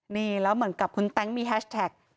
นี่แล้วเหมือนกับคุณแต๊งมีแฮชแท็ก